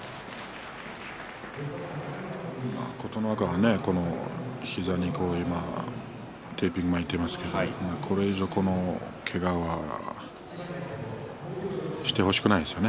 琴ノ若が膝にテープを巻いていますがこれ以上けがはしてほしくないですよね